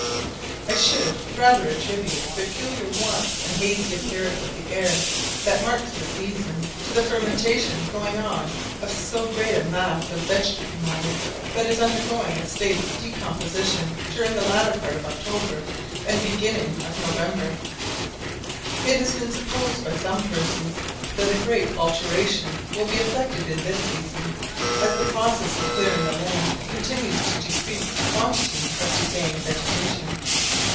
I should rather attribute the peculiar warmth and hazy appearance of the air that marks this season, to the fermentation going on of so great a mass of vegetable matter that is undergoing a state of decomposition during the latter part of October and beginning of November. It has been supposed by some persons that a great alteration will be effected in this season, as the process of clearing the land continues to decrease the quantity of decaying vegetation.